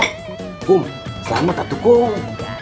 selamat selamat atukung